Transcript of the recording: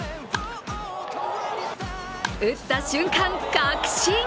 打った瞬間、確信。